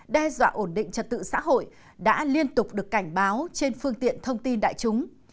đe dọa ổn định trật tự xã hội đã liên tục được cảnh báo trên phương tiện thông tin đại chúng